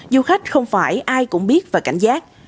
du khách không phải ai cũng biết và cảnh giác